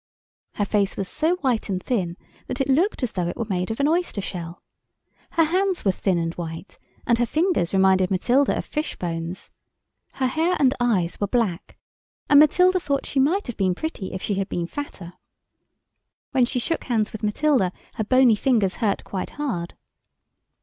Her face was so white and thin that it looked as though it were made of an oyster shell. Her hands were thin and white, and her fingers reminded Matilda of fish bones. Her hair and eyes were black, and Matilda thought she might have been pretty if she had been fatter. When she shook hands with Matilda her bony fingers hurt quite hard.